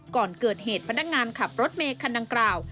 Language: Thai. ก่อนเกิดเหตุพนักงานขับรถเมย์คันดังกล่าว